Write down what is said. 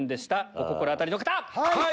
お心当たりの方！